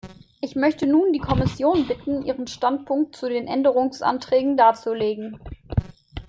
Ich möchte nun die Kommission bitten, ihren Standpunkt zu den Änderungsanträgen darzulegen.